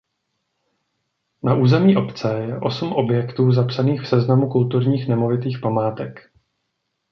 Na území obce je osm objektů zapsaných v seznamu kulturních nemovitých památek.